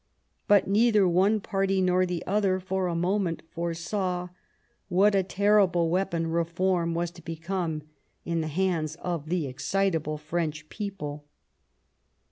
But neither one party nor the other for a moment fore saw what a terrible weapon reform was to become in the hands of the excitable French people.